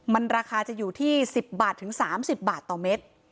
มันราคาจะอยู่ที่๑๐บาทถึง๓๐บาทต่อเม็ด